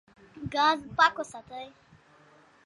ګاز پاک وساتئ.